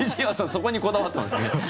そこにこだわってますね。